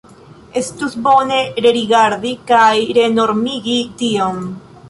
Estus bone rerigardi kaj renormigi tion.